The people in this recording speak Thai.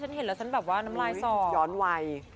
ฉันเห็นแล้วฉันน้ำลายสอบย้อนไว